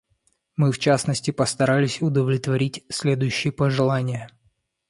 Мы, в частности, постарались удовлетворить следующие пожелания.